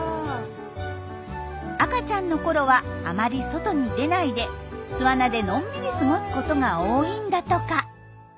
赤ちゃんのころはあまり外に出ないで巣穴でのんびり過ごすことが多いんだとか。